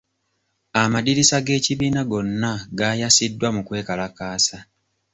Amadirisa g'ekibiina gonna gaayasiddwa mu kwekalakaasa.